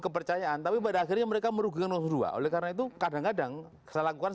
kepercayaan tapi pada akhirnya mereka merugikan dua oleh karena itu kadang kadang saya lakukan